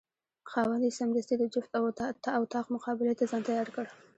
خاوند یې سمدستي د جفت او طاق مقابلې ته ځان تیار کړ.